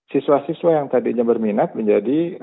siswa siswa yang tadinya berminat menjadi